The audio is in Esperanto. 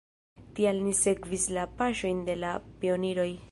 Tial ni sekvis la paŝojn de la pioniroj!